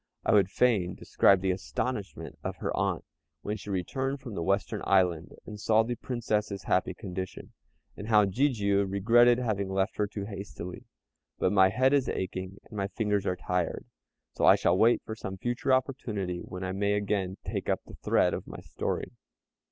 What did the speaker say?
I would fain describe the astonishment of her aunt when she returned from the Western Island and saw the Princess's happy condition, and how Jijiu regretted having left her too hastily; but my head is aching and my fingers are tired, so I shall wait for some future opportunity when I may again take up the thread of my story.